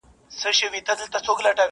کلي ته ولاړم هر يو يار راڅخه مخ واړوئ,